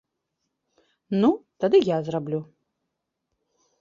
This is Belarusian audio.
Ну, тады я зраблю.